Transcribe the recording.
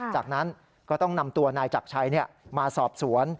จากนั้นก็ต้องนำตัวนายจักรชัยมาสอบสวน